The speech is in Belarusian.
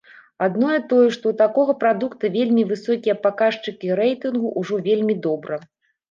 Адно тое, што ў такога прадукта вельмі высокія паказчыкі рэйтынгу, ужо вельмі добра.